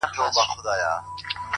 o نو دغه نوري شپې بيا څه وكړمه.